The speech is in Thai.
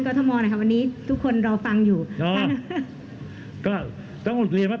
พร้อมไหมครับพร้อมไหมครับตอนนี้พร้อมไหมครับ